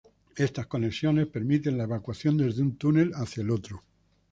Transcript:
Estas conexiones permiten la evacuación desde un túnel hacia el otro.